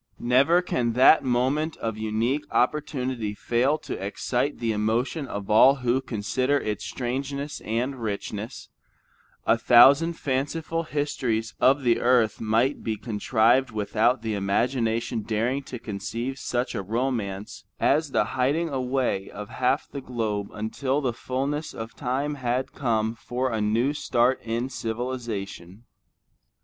Never can that moment of unique opportunity fail to excite the emotion of all who consider its strangeness and richness; a thousand fanciful histories of the earth might be contrived without the imagination daring to conceive such a romance as the hiding away of half the globe until the fulness of time had come for a new start in civilization.